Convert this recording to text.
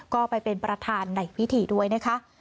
ก็ไปเป็นประธานในพิธีด้วยนะคะ